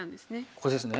ここですね。